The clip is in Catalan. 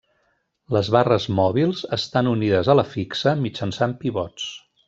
Les barres mòbils estan unides a la fixa mitjançant pivots.